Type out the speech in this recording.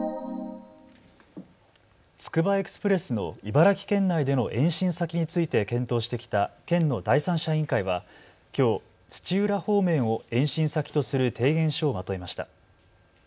つくばエクスプレスの茨城県内での延伸先について検討してきた県の第三者委員会はきょう土浦方面を延伸先とする提言書をまとめました。